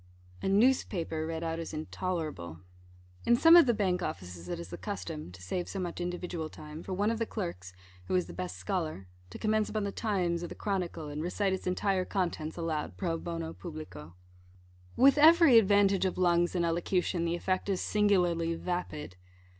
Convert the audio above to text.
A newspaper, read out, is intolerable. In some of the Bank offices it is the custom (to save so much individual time) for one of the clerks who is the best scholar to commence upon the Times, or the Chronicle, and recite its entire contents aloud pro bono publico. With every advantage of lungs and elocution, the effect is singularly vapid.